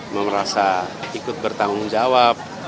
merasa ikut bertanggung jawab